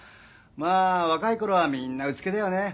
まあ若い頃はみんなうつけだよね。